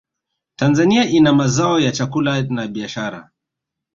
tanzania ina mazao ya chakula na biashara